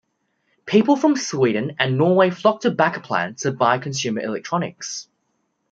People from Sweden and Norway flocked to Backaplan to buy consumer electronics.